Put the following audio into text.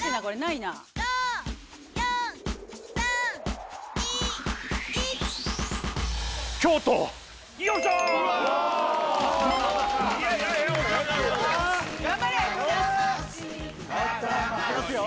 いきますよ